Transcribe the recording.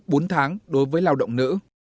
tăng thêm bốn tháng đối với lao động nữ